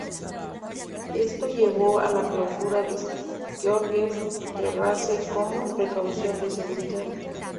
Esto llevó a la clausura de St Georges Terrace como precaución de seguridad.